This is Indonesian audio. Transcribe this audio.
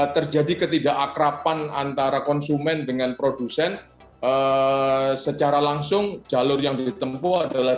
terjadi ketidakakrapan antara konsumen dengan produsen secara langsung jalur yang ditempuh adalah